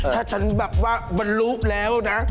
ถ้าฉันแบบว่าบรรลุแล้วนะ